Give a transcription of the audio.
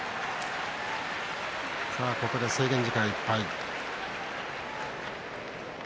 ここで制限時間いっぱい。